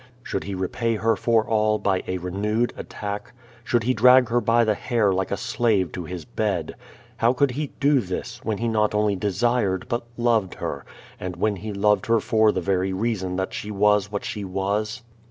Should he repay her for all by a renewed attack? Should he drag her by the hair like a slave to his bed? flow could he do this, when he not only desired but loved her, and when he loved her for the very reason that she was what she was?